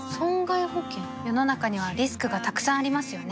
世の中にはリスクがたくさんありますよね